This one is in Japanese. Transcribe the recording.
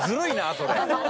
それ。